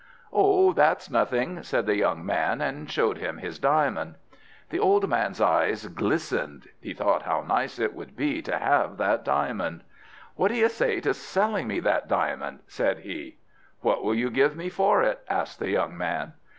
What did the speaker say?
"Oh, that's nothing," said the young man, and showed him his diamond. The old man's eyes glistened. He thought how nice it would be to have that diamond. "What do you say to selling me that diamond?" said he. "What will you give me for it?" asked the young man.